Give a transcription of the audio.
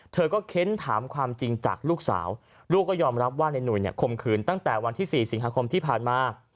เธอก็เค้นถามความจริงจากลูกสาวลูกก็ยอมรับว่าในหนุ่ยเนี่ยคมขืนตั้งแต่วันที่๔สิงหาคมที่ผ่านมา